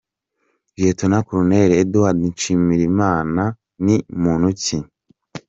Lt Col Edouard Nshimirimana ni muntu ki?.